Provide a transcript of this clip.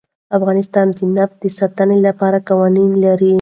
افغانستان د نفت د ساتنې لپاره قوانین لري.